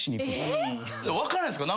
分からないっすか？